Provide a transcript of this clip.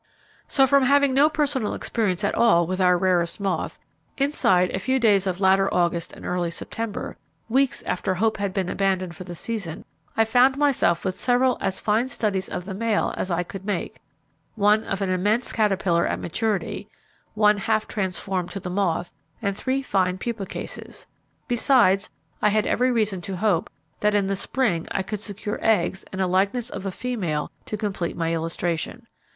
So from having no personal experience at all with our rarest moth, inside a few days of latter August and early September, weeks after hope had been abandoned for the season, I found myself with several as fine studies of the male as I could make, one of an immense caterpillar at maturity, one half transformed to the moth, and three fine pupa cases. Besides, I had every reason to hope that in the spring I could secure eggs and a likeness of a female to complete my illustration.